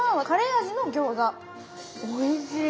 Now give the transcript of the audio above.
おいしい。